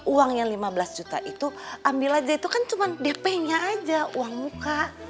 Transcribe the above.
uang yang lima belas juta itu ambil aja itu kan cuma dp nya aja uang muka